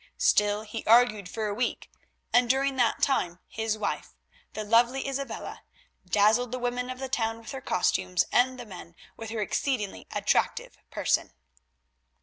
Still, he argued for a week, and during that time his wife, the lovely Isabella, dazzled the women of the town with her costumes and the men with her exceedingly attractive person.